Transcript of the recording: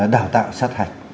đào tạo sát hạch